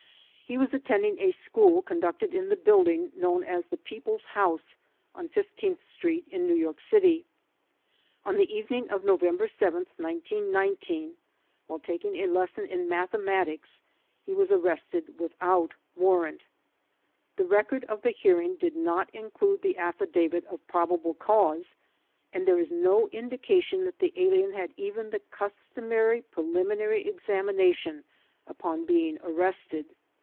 He was attending a school conducted in the building known as the People's House on ISth Street in New York City. On the eve ning of November 7, 1919, while taking a lesson in math ematics he was arr^ested without warrant. The record of the hearing did not include the affidavit of probable cause and there is no indication that the alien had even the customary preliminary examination upon being ar rested.